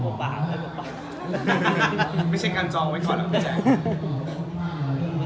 แค่เช็ดการจองไว้ก่อนหรอพระเจ้า